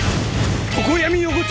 常闇横町